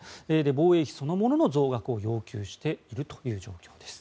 防衛費そのものの増額を要求しているという状況です。